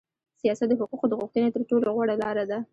سیاست د حقوقو د غوښتنې تر ټولو غوړه لار ده.